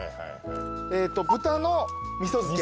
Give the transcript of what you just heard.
豚の味噌漬け。